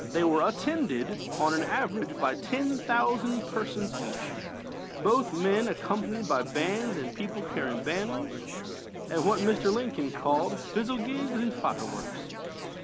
They were attended, on an average, by ten thousand persons each, both men being accompanied by bands and people carrying banners and what Mr. Lincoln called "fizzlegigs and fireworks."